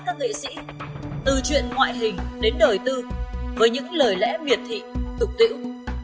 từ chuyện ngoại hình đến đời tư với những lời lẽ miệt thị tục tiễu